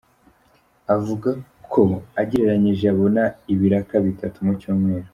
Avuga ko agereranyije abona ibiraka bitatu mu cyumweru.